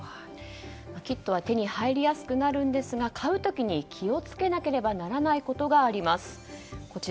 キットは手に入りやすくなりますが買う時に気を付けなければならないことがあります。